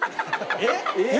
えっ！？